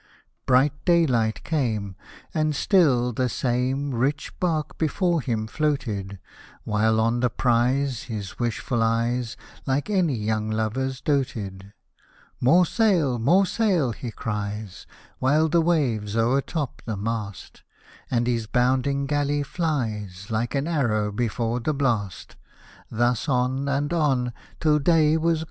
Bright daylight came, And still the same Rich bark before him floated ; While on the prize His wishful eyes Like any young lover's doated :" More sail I more sail !" he cries. While the waves o'ertop the mast ; Hosted by Google io6 POEMS RELATING TO AMERICA And his bounding galley flies, Like an arrow before the blast. Thus on, and on, Till day was.